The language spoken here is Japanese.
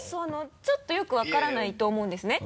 ちょっとよく分からないと思うんですね。